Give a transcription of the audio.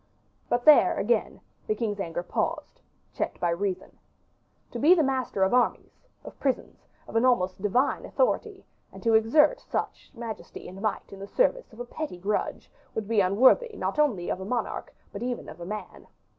But there, again, the king's anger paused, checked by reason. To be the master of armies, of prisons, of an almost divine authority, and to exert such majesty and might in the service of a petty grudge, would be unworthy not only of a monarch, but even of a man.